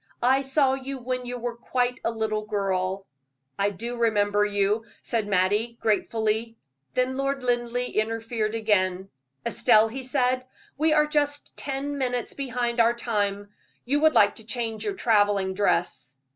I saw you when you were quite a little child." "I do remember you," said Mattie, gratefully. Then Lord Linleigh interfered again. "Estelle," he said, "we are just ten minutes behind our time. You would like to change your traveling dress."